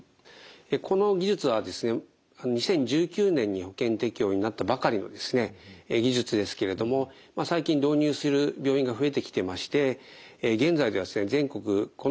この技術はですね２０１９年に保険適用になったばかりの技術ですけれども最近導入する病院が増えてきてまして現在では全国このタイプのロボットではですね